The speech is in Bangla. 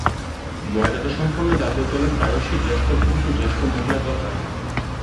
মর্যাদাসম্পন্ন জাতীয় দলে প্রায়শঃই জ্যেষ্ঠ পুরুষ ও জ্যেষ্ঠ মহিলা দল হয়ে থাকে।